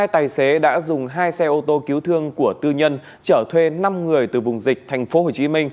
hai tài xế đã dùng hai xe ô tô cứu thương của tư nhân chở thuê năm người từ vùng dịch tp hcm